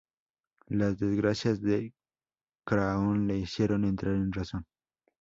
Las desgracias de Craon le hicieron entrar en razón.